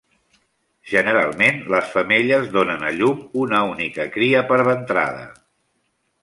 Generalment, les femelles donen a llum una única cria per ventrada.